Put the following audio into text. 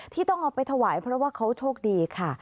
ที่ต้องเอาไปถวายเพราะว่าเขาโชคดีค่ะ